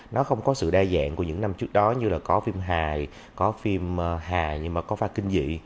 nó không có sự đa dạng của những năm trước đó như là có phim hài có phim hà nhưng mà có pha kinh dị